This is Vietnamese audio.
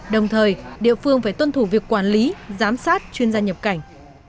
đồng thời địa phương phải tuân thủ việc quản lý giám sát chuyên gia nhập cảnh